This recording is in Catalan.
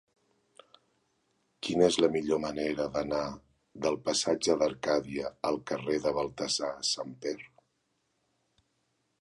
Quina és la millor manera d'anar del passatge d'Arcadia al carrer de Baltasar Samper?